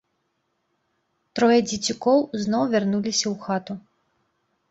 Трое дзецюкоў зноў вярнуліся ў хату.